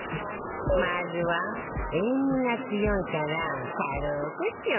まずは塩味が強いから軽く塩抜き